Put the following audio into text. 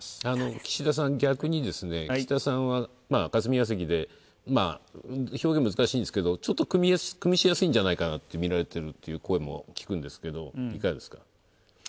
岸田さん、逆に岸田さんは霞が関で表現が難しいんですけど、ちょっとくみしやすいんじゃないかなとみられているっていう声も聞くんですけど、いかがですか？